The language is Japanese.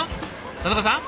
田中さん？